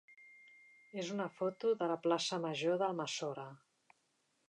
és una foto de la plaça major d'Almassora.